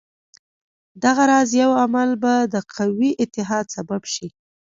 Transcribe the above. دغه راز یو عمل به د قوي اتحاد سبب شي.